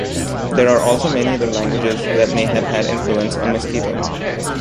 There are also many other languages that may have had influence on Miskito.